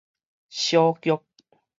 小局